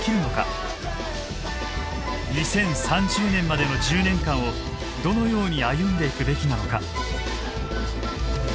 ２０３０年までの１０年間をどのように歩んでいくべきなのか。